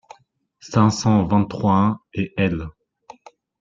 cinq cent vingt-trois-un et L.